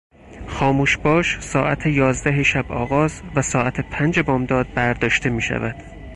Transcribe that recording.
خاموشباش ساعت یازده شب آغاز و ساعت پنج بامداد برداشته میشود.